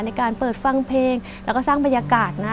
ในการเปิดฟังเพลงแล้วก็สร้างบรรยากาศนะ